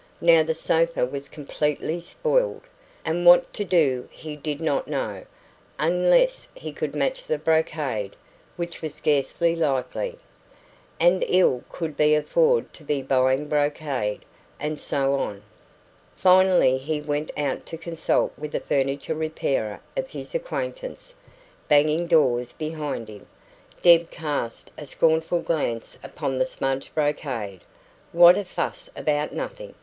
Now the sofa was completely spoiled, and what to do he did not know, unless he could match the brocade, which was scarcely likely. And ill could he afford to be buying brocade and so on. Finally he went out to consult with a furniture repairer of his acquaintance, banging doors behind him. Deb cast a scornful glance upon the smudged brocade. "What a fuss about nothing!"